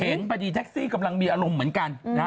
เห็นปีนี้ตั็กซี่กำลังมีอารมณ์เหมือนกัน